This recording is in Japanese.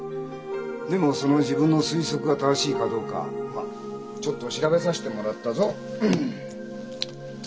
でもその自分の推測が正しいかどうかちょっと調べさせてもらったぞ。